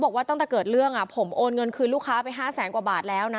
บอกว่าตั้งแต่เกิดเรื่องผมโอนเงินคืนลูกค้าไป๕แสนกว่าบาทแล้วนะ